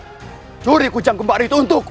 kucuri kujang kempar itu untukku